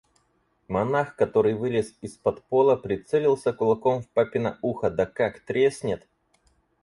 Монах, который вылез из-под пола, прицелился кулаком в папино ухо, да как треснет!